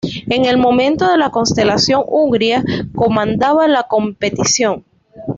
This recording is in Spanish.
En el momento de la cancelación, Hungría comandaba la competición.